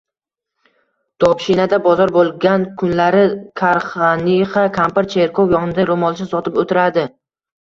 Dobshinada bozor boʻlgan kunlari Karxanixa kampir cherkov yonida roʻmolcha sotib oʻtiradi.